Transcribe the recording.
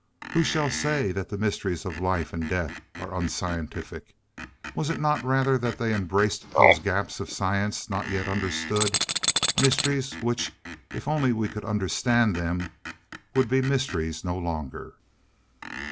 Who shall say that the mysteries of life and death are unscientific? Was it not rather that they embraced those gaps of science not yet understood? Mysteries which, if only we could understand them, would be mysteries no longer?